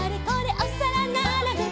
おさらならべて」